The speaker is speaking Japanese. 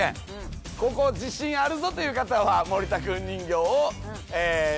ここ自信あるぞという方は森田くん人形を使って。